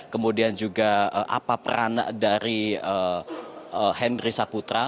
kemudian juga apa peran dari henry saputra